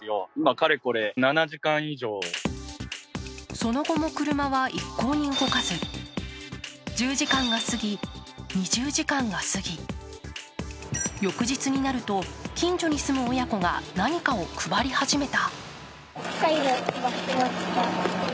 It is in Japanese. その後も車は一向に動かず１０時間が過ぎ、２０時間が過ぎ、翌日になると近所に住む親子が何かを配り始めた。